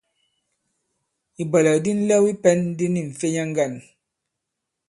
Ìbwɛ̀lɛ̀k di nlɛw i pɛ̄n di ni m̀fenya ŋgǎn.